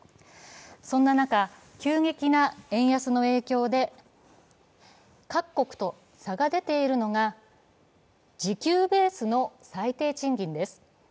そんな中、急激な円安の影響で各国と差が出ているのが時給ベースの最低賃金です。